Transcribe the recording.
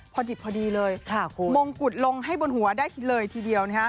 พอดิบพอดีเลยมงกุฎลงให้บนหัวได้เลยทีเดียว